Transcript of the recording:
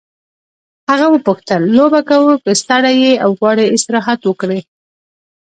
هغه وپوښتل لوبه کوو که ستړی یې او غواړې استراحت وکړې.